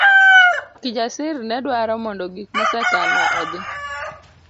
Kijasir nedwaro mondo gik mosekalo odhi.